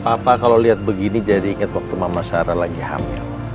papa kalau lihat begini jadi ingat waktu mama sarah lagi hamil